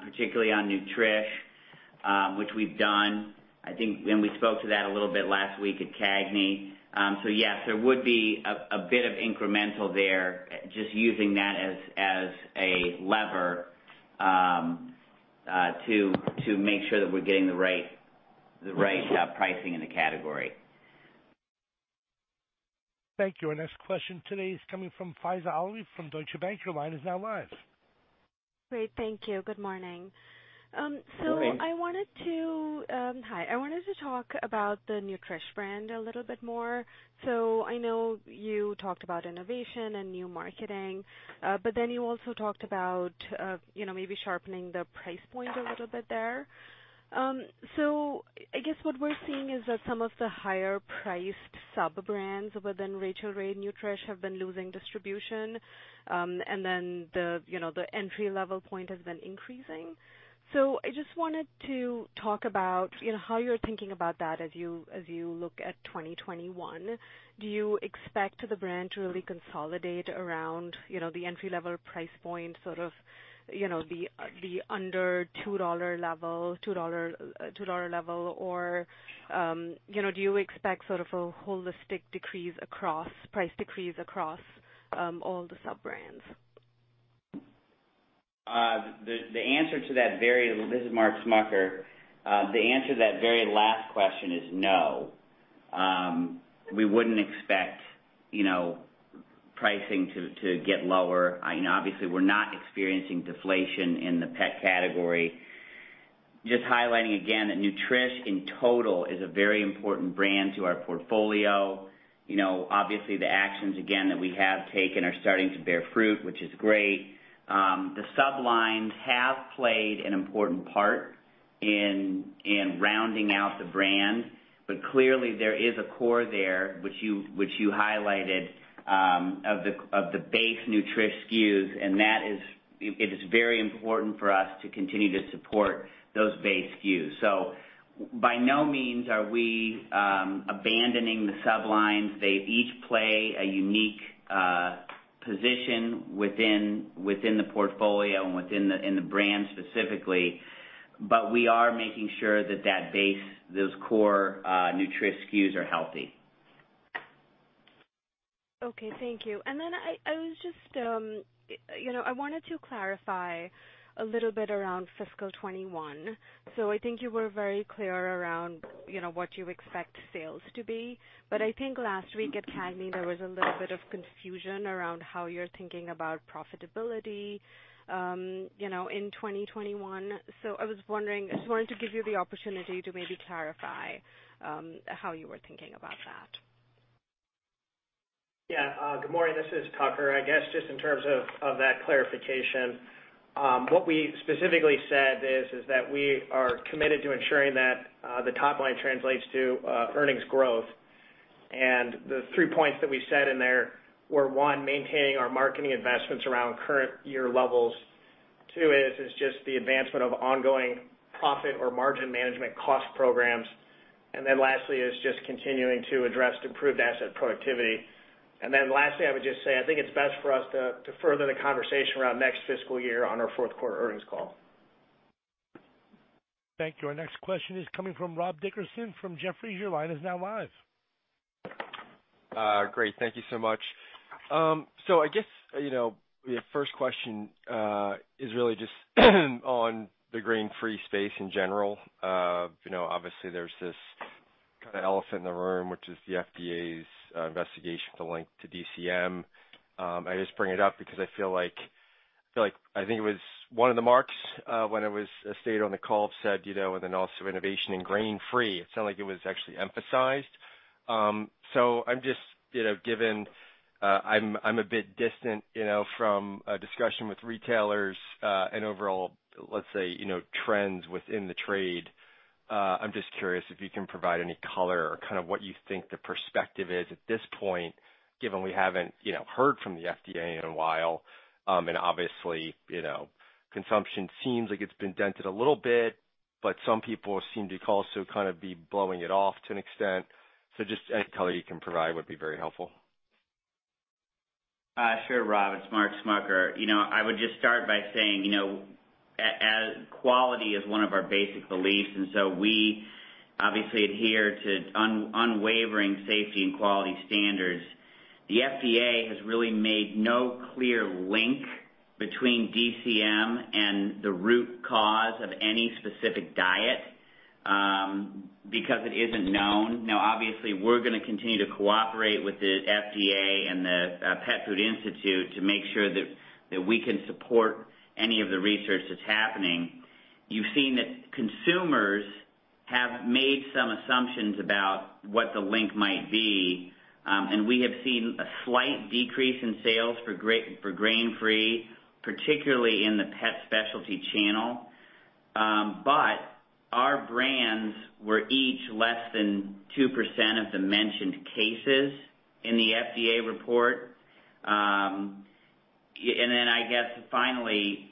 particularly on Nutrish, which we've done. I think we spoke to that a little bit last week at CAGNY. So yes, there would be a bit of incremental there, just using that as a lever to make sure that we're getting the right pricing in the category. Thank you. Our next question today is coming from Faiza Alwi from Deutsche Bank. Your line is now live. Great. Thank you. Good morning. So I wanted to talk about the Nutrish brand a little bit more. So I know you talked about innovation and new marketing, but then you also talked about maybe sharpening the price point a little bit there. So I guess what we're seeing is that some of the higher-priced sub-brands within Rachael Ray Nutrish have been losing distribution, and then the entry-level point has been increasing. So I just wanted to talk about how you're thinking about that as you look at 2021. Do you expect the brand to really consolidate around the entry-level price point, sort of the under $2 level, $2 level? Or do you expect sort of a holistic decrease across price decrease across all the sub-brands? The answer to that very, this is Mark Smucker. The answer to that very last question is no. We wouldn't expect pricing to get lower. Obviously, we're not experiencing deflation in the pet category. Just highlighting again that Nutrish, in total, is a very important brand to our portfolio. Obviously, the actions, again, that we have taken are starting to bear fruit, which is great. The sub-lines have played an important part in rounding out the brand, but clearly, there is a core there, which you highlighted, of the base Nutrish SKUs, and it is very important for us to continue to support those base SKUs. So by no means are we abandoning the sub-lines. They each play a unique position within the portfolio and within the brand specifically, but we are making sure that that base, those core Nutrish SKUs, are healthy. Okay. Thank you. And then I was just - I wanted to clarify a little bit around fiscal 2021. So I think you were very clear around what you expect sales to be. But I think last week at CAGNY, there was a little bit of confusion around how you're thinking about profitability in 2021. So I was wanting to give you the opportunity to maybe clarify how you were thinking about that. Yeah. Good morning. This is Tucker, I guess, just in terms of that clarification. What we specifically said is that we are committed to ensuring that the top line translates to earnings growth. The three points that we said in there were, one, maintaining our marketing investments around current year levels. Two is just the advancement of ongoing profit or margin management cost programs. And then lastly is just continuing to address improved asset productivity. And then lastly, I would just say I think it's best for us to further the conversation around next fiscal year on our fourth quarter earnings call. Thank you. Our next question is coming from Rob Dickerson from Jefferies. Your line is now live. Great. Thank you so much. I guess the first question is really just on the grain-free space in general. Obviously, there's this kind of elephant in the room, which is the FDA's investigation to link to DCM. I just bring it up because I feel like I think it was one of the marks when it was stated on the call, said, and then also innovation in grain-free. It sounded like it was actually emphasized, so I'm just, given I'm a bit distant from a discussion with retailers and overall, let's say, trends within the trade, I'm just curious if you can provide any color or kind of what you think the perspective is at this point, given we haven't heard from the FDA in a while, and obviously, consumption seems like it's been dented a little bit, but some people seem to also kind of be blowing it off to an extent, so just any color you can provide would be very helpful. Sure, Rob. It's Mark Smucker. I would just start by saying quality is one of our basic beliefs, and so we obviously adhere to unwavering safety and quality standards. The FDA has really made no clear link between DCM and the root cause of any specific diet because it isn't known. Now, obviously, we're going to continue to cooperate with the FDA and the Pet Food Institute to make sure that we can support any of the research that's happening. You've seen that consumers have made some assumptions about what the link might be, and we have seen a slight decrease in sales for grain-free, particularly in the pet specialty channel. But our brands were each less than 2% of the mentioned cases in the FDA report. And then I guess, finally,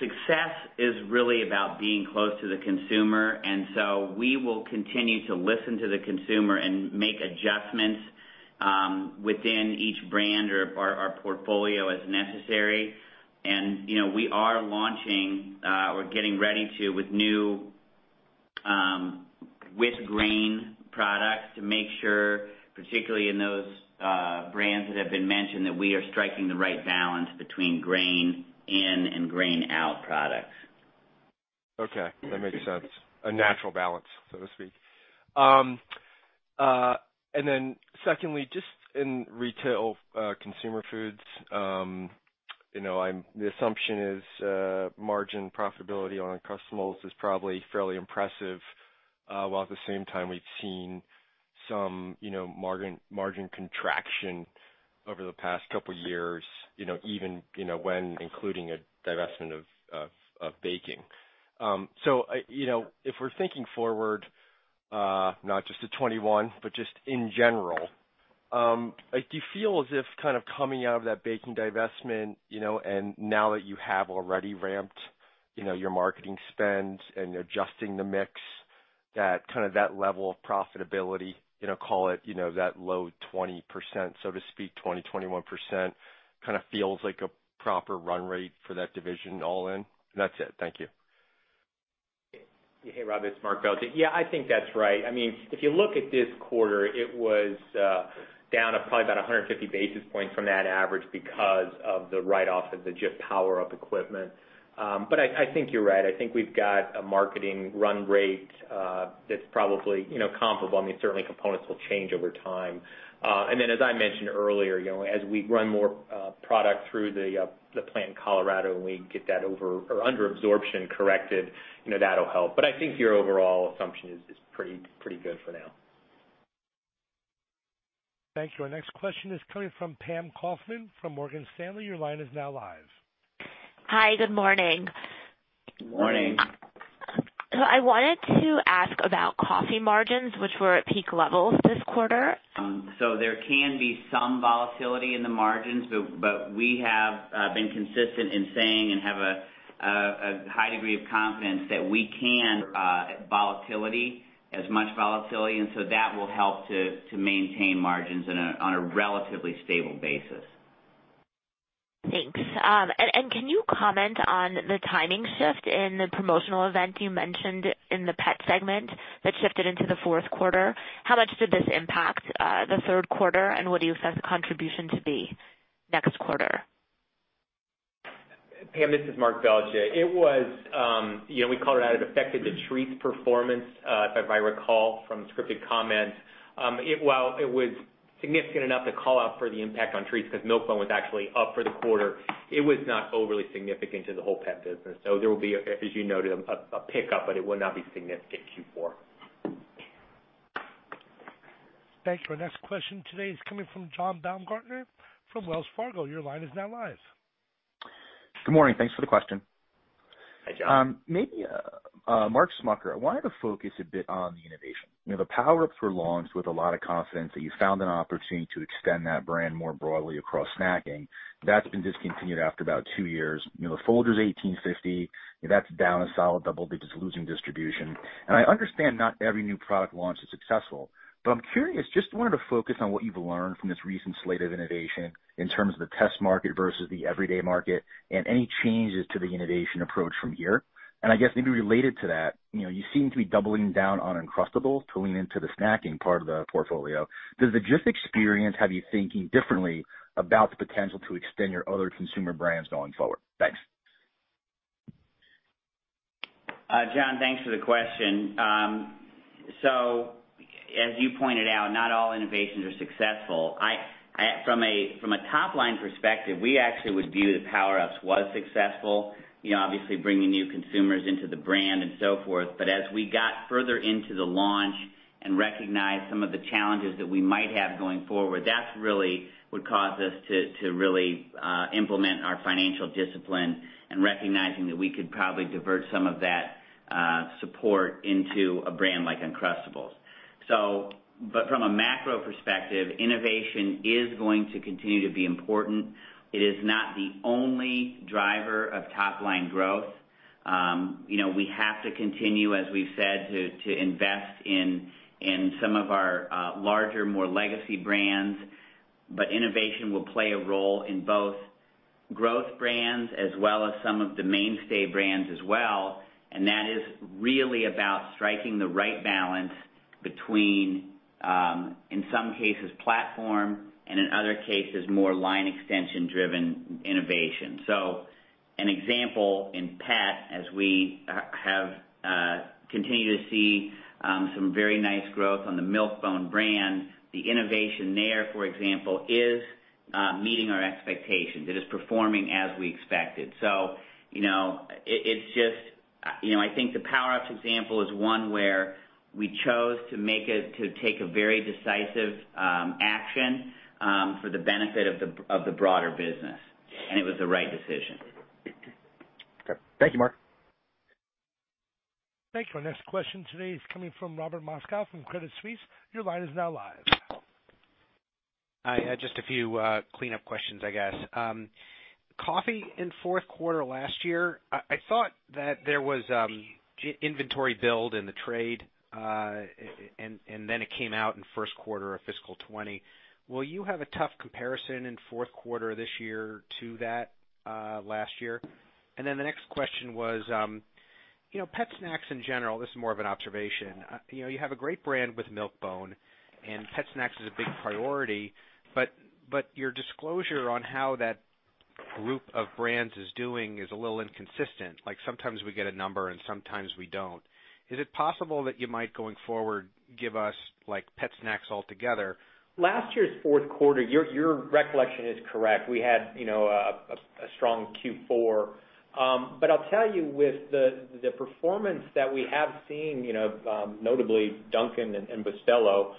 success is really about being close to the consumer. And so we will continue to listen to the consumer and make adjustments within each brand or our portfolio as necessary. And we are launching or getting ready to, with grain products, to make sure, particularly in those brands that have been mentioned, that we are striking the right balance between grain-in and grain-out products. Okay. That makes sense. A Natural Balance, so to speak. And then secondly, just in retail consumer foods, the assumption is margin profitability on Uncrustables is probably fairly impressive, while at the same time, we've seen some margin contraction over the past couple of years, even when including a divestment of baking. So if we're thinking forward, not just to 2021, but just in general, do you feel as if kind of coming out of that baking divestment and now that you have already ramped your marketing spend and adjusting the mix, that kind of that level of profitability, call it that low 20%, so to speak, 20%-21%, kind of feels like a proper run rate for that division all in? And that's it. Thank you. Hey, Rob. It's Mark Belgya. Yeah, I think that's right. I mean, if you look at this quarter, it was down at probably about 150 basis points from that average because of the write-off of the Jif Power Ups equipment. But I think you're right. I think we've got a marketing run rate that's probably comparable. I mean, certainly, components will change over time. And then, as I mentioned earlier, as we run more product through the plant in Colorado and we get that over or under absorption corrected, that will help. But I think your overall assumption is pretty good for now. Thank you. Our next question is coming from Pamela Kaufman from Morgan Stanley. Your line is now live. Hi. Good morning. Morning. So I wanted to ask about coffee margins, which were at peak levels this quarter. So there can be some volatility in the margins, but we have been consistent in saying and have a high degree of confidence that we can. Volatility, as much volatility. And so that will help to maintain margins on a relatively stable basis. Thanks. And can you comment on the timing shift in the promotional event you mentioned in the pet segment that shifted into the fourth quarter? How much did this impact the third quarter, and what do you expect the contribution to be next quarter? Pam, this is Mark Belgya. It was, we called it out. It affected the treats performance, if I recall, from scripted comments. While it was significant enough to call out for the impact on treats because Milk-Bone was actually up for the quarter, it was not overly significant to the whole pet business. So there will be, as you noted, a pickup, but it will not be significant Q4. Thank you. Our next question today is coming from John Baumgartner from Wells Fargo. Your line is now live. Good morning. Thanks for the question. Hi, John. Mark Smucker, I wanted to focus a bit on the innovation. The Power Ups were launched with a lot of confidence that you found an opportunity to extend that brand more broadly across snacking. That's been discontinued after about two years. The Folgers 1850, that's down a solid double digits, losing distribution. And I understand not every new product launch is successful, but I'm curious, just wanted to focus on what you've learned from this recent slate of innovation in terms of the test market versus the everyday market and any changes to the innovation approach from here. And I guess maybe related to that, you seem to be doubling down on Uncrustables to lean into the snacking part of the portfolio. Does the Jif experience have you thinking differently about the potential to extend your other consumer brands going forward? Thanks. John, thanks for the question. So as you pointed out, not all innovations are successful. From a top-line perspective, we actually would view the Power Ups was successful, obviously bringing new consumers into the brand and so forth. But as we got further into the launch and recognized some of the challenges that we might have going forward, that really would cause us to really implement our financial discipline and recognizing that we could probably divert some of that support into a brand like Uncrustables. But from a macro perspective, innovation is going to continue to be important. It is not the only driver of top-line growth. We have to continue, as we've said, to invest in some of our larger, more legacy brands, but innovation will play a role in both growth brands as well as some of the mainstay brands as well. And that is really about striking the right balance between, in some cases, platform and in other cases, more line extension-driven innovation. So an example in pet, as we have continued to see some very nice growth on the Milk-Bone brand, the innovation there, for example, is meeting our expectations. It is performing as we expected. So it's just I think the Power Ups example is one where we chose to take a very decisive action for the benefit of the broader business, and it was the right decision. Okay. Thank you, Mark. Thank you. Our next question today is coming from Robert Moskow from Credit Suisse. Your line is now live. Hi. Just a few cleanup questions, I guess. Coffee in fourth quarter last year, I thought that there was inventory build in the trade, and then it came out in first quarter of Fiscal 2020. Will you have a tough comparison in fourth quarter this year to that last year? And then the next question was pet snacks in general. This is more of an observation. You have a great brand with Milk-Bone, and pet snacks is a big priority, but your disclosure on how that group of brands is doing is a little inconsistent. Sometimes we get a number, and sometimes we don't. Is it possible that you might, going forward, give us pet snacks altogether? Last year's fourth quarter, your recollection is correct. We had a strong Q4. But I'll tell you, with the performance that we have seen, notably Dunkin' and Bustelo,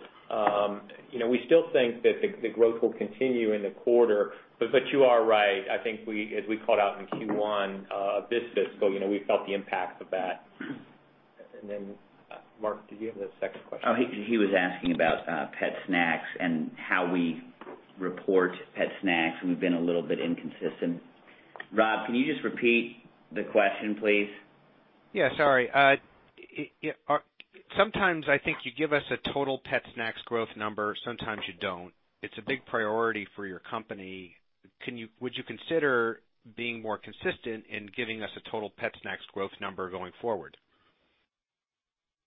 we still think that the growth will continue in the quarter. But you are right. I think, as we called out in Q1 of this fiscal, we felt the impact of that. And then, Mark, did you have a second question? He was asking about pet snacks and how we report pet snacks. We've been a little bit inconsistent. Rob, can you just repeat the question, please? Yeah. Sorry. Sometimes I think you give us a total pet snacks growth number. Sometimes you don't. It's a big priority for your company. Would you consider being more consistent in giving us a total pet snacks growth number going forward?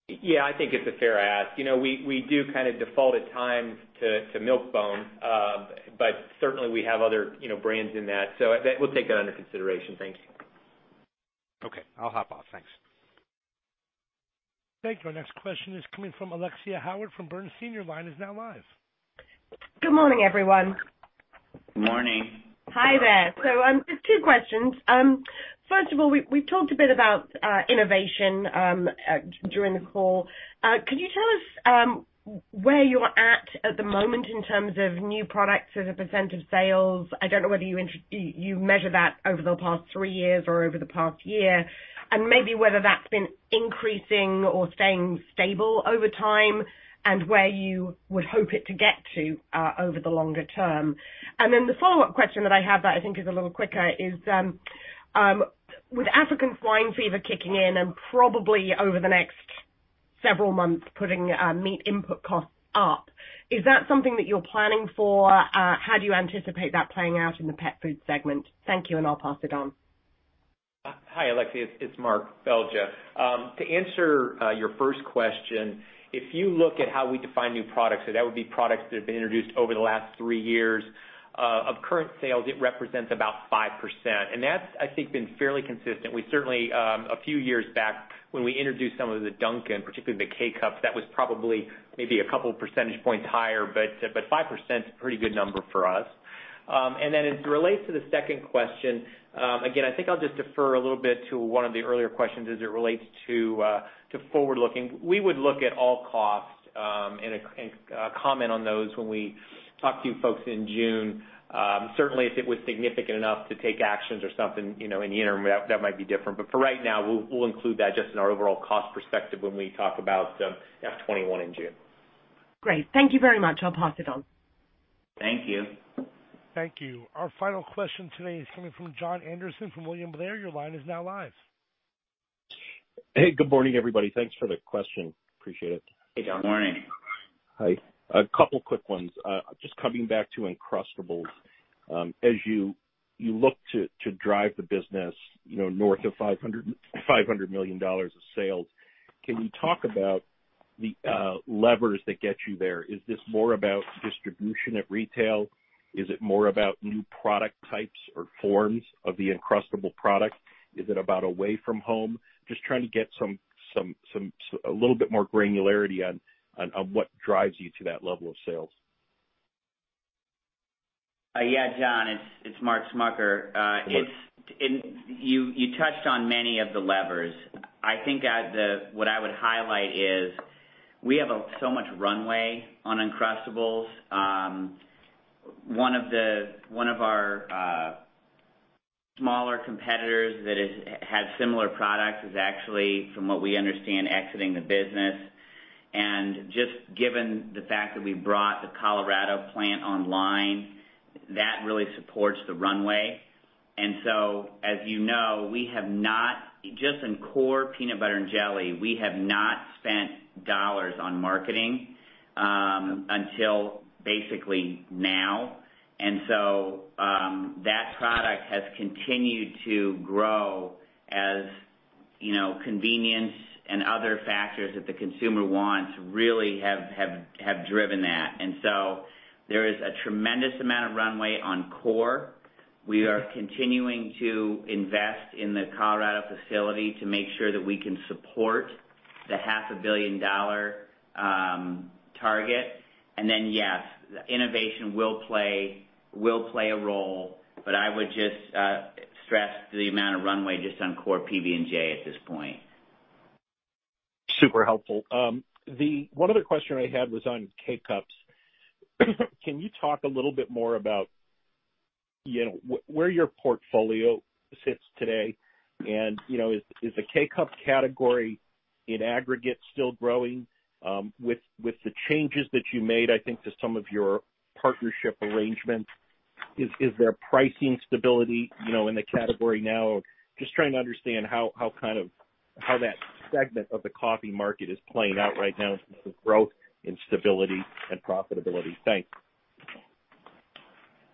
Yeah. I think it's a fair ask. We do kind of default at times to Milk-Bone, but certainly, we have other brands in that. So we'll take that under consideration. Thanks. Okay. I'll hop off. Thanks. Thank you. Our next question is coming from Alexia Howard from Bernstein. Your line is now live. Good morning, everyone. Good morning. Hi there. So just two questions. First of all, we've talked a bit about innovation during the call. Could you tell us where you're at at the moment in terms of new products as a % of sales? I don't know whether you measure that over the past three years or over the past year, and maybe whether that's been increasing or staying stable over time and where you would hope it to get to over the longer term. And then the follow-up question that I have that I think is a little quicker is, with African swine fever kicking in and probably over the next several months putting meat input costs up, is that something that you're planning for? How do you anticipate that playing out in the pet food segment? Thank you, and I'll pass it on. Hi, Alexia. It's Mark Belgya. To answer your first question, if you look at how we define new products, that would be products that have been introduced over the last three years of current sales. It represents about 5%. And that's, I think, been fairly consistent. A few years back, when we introduced some of the Dunkin', particularly the K-Cups, that was probably maybe a couple of percentage points higher, but 5% is a pretty good number for us. And then as it relates to the second question, again, I think I'll just defer a little bit to one of the earlier questions as it relates to forward-looking. We would look at all costs and comment on those when we talk to you folks in June. Certainly, if it was significant enough to take actions or something in the interim, that might be different. But for right now, we'll include that just in our overall cost perspective when we talk about F21 in June. Great. Thank you very much. I'll pass it on. Thank you. Thank you. Our final question today is coming from Jon Anderson from William Blair. Your line is now live. Hey. Good morning, everybody. Thanks for the question. Appreciate it. Hey, Jon. Morning. Hi. A couple of quick ones. Just coming back to Uncrustables. As you look to drive the business north of $500 million of sales, can you talk about the levers that get you there? Is this more about distribution at retail? Is it more about new product types or forms of the Uncrustable product? Is it about away from home? Just trying to get a little bit more granularity on what drives you to that level of sales. Yeah, John. It's Mark Smucker. You touched on many of the levers. I think what I would highlight is we have so much runway on Uncrustables. One of our smaller competitors that has similar products is actually, from what we understand, exiting the business, and just given the fact that we brought the Colorado plant online, that really supports the runway, and so, as you know, we have not just in core peanut butter and jelly, we have not spent dollars on marketing until basically now, and so that product has continued to grow as convenience and other factors that the consumer wants really have driven that, and so there is a tremendous amount of runway on core. We are continuing to invest in the Colorado facility to make sure that we can support the $500 million target. And then, yes, innovation will play a role, but I would just stress the amount of runway just on core PB&J at this point. Super helpful. One other question I had was on K-Cups. Can you talk a little bit more about where your portfolio sits today? And is the K-Cup category in aggregate still growing with the changes that you made, I think, to some of your partnership arrangements? Is there pricing stability in the category now? Just trying to understand kind of how that segment of the coffee market is playing out right now in terms of growth and stability and profitability. Thanks.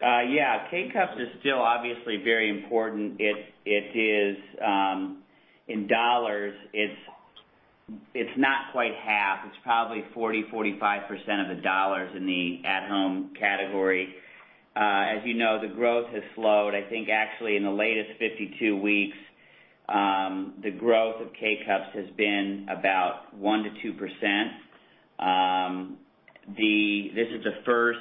Yeah. K-Cups is still obviously very important. In dollars, it's not quite half. It's probably 40%-45% of the dollars in the at-home category. As you know, the growth has slowed. I think, actually, in the latest 52 weeks, the growth of K-Cups has been about 1%-2%. This is the first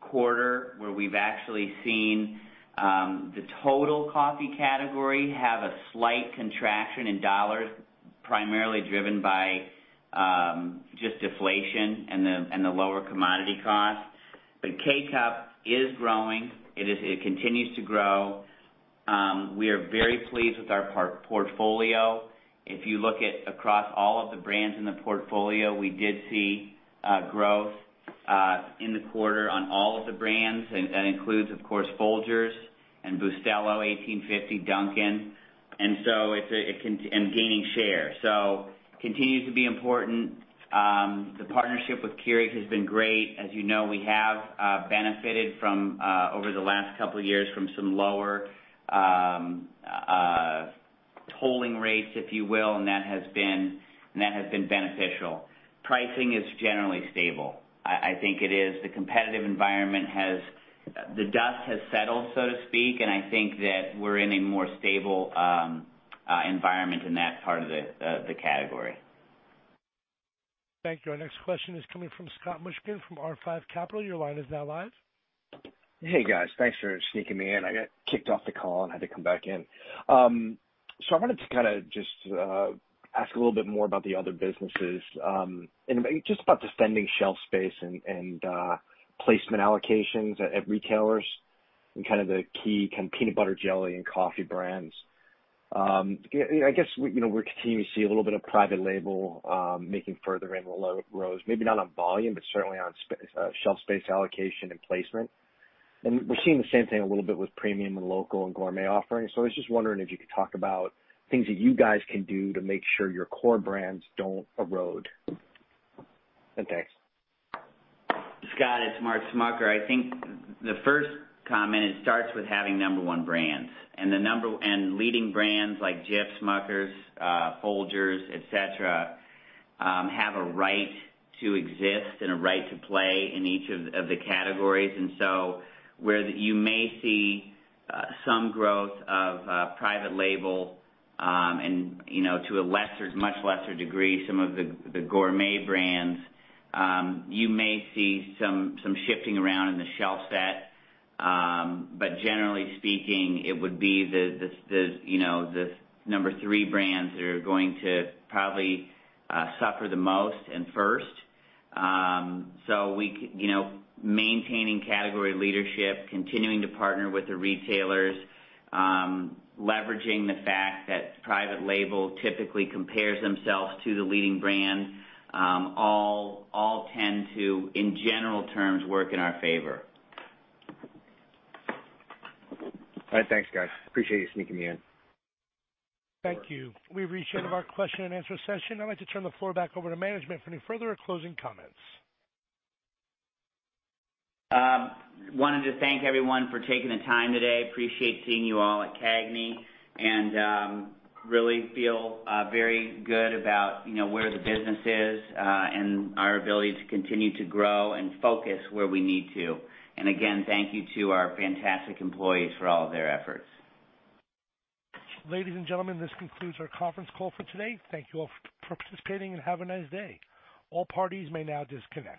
quarter where we've actually seen the total coffee category have a slight contraction in dollars, primarily driven by just deflation and the lower commodity costs. But K-Cup is growing. It continues to grow. We are very pleased with our portfolio. If you look at across all of the brands in the portfolio, we did see growth in the quarter on all of the brands. That includes, of course, Folgers and Bustelo, 1850, Dunkin', and gaining share. So continues to be important. The partnership with Keurig has been great. As you know, we have benefited over the last couple of years from some lower tolling rates, if you will, and that has been beneficial. Pricing is generally stable. I think it is. The competitive environment the dust has settled, so to speak, and I think that we're in a more stable environment in that part of the category. Thank you. Our next question is coming from Scott Mushkin from R5 Capital. Your line is now live. Hey, guys. Thanks for sneaking me in. I got kicked off the call and had to come back in. So I wanted to kind of just ask a little bit more about the other businesses and just about the spend in shelf space and placement allocations at retailers and kind of the key kind of peanut butter, jelly, and coffee brands. I guess we're continuing to see a little bit of private label making further inroads, maybe not on volume, but certainly on shelf space allocation and placement. And we're seeing the same thing a little bit with premium and local and gourmet offerings. So I was just wondering if you could talk about things that you guys can do to make sure your core brands don't erode. And thanks. Scott, it's Mark Smucker. I think the first comment, it starts with having number one brands. And leading brands like Jif, Smucker's, Folgers, etc., have a right to exist and a right to play in each of the categories. And so where you may see some growth of private label and to a much lesser degree, some of the gourmet brands, you may see some shifting around in the shelf set. But generally speaking, it would be the number three brands that are going to probably suffer the most and first. So maintaining category leadership, continuing to partner with the retailers, leveraging the fact that private label typically compares themselves to the leading brand, all tend to, in general terms, work in our favor. All right. Thanks, guys. Appreciate you sneaking me in. Thank you. We've reached the end of our question and answer session. I'd like to turn the floor back over to management for any further closing comments. Wanted to thank everyone for taking the time today. Appreciate seeing you all at CAGNY. And really feel very good about where the business is and our ability to continue to grow and focus where we need to. And again, thank you to our fantastic employees for all of their efforts. Ladies and gentlemen, this concludes our conference call for today. Thank you all for participating and have a nice day. All parties may now disconnect.